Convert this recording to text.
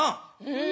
うん。